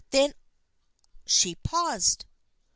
Then she paused.